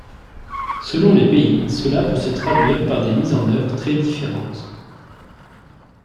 Selon les pays, cela peut se traduire par des mises en œuvre très différentes.